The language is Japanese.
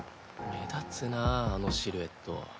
目立つなぁあのシルエット。